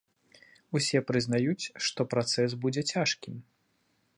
Усе прызнаюць, што працэс будзе цяжкім.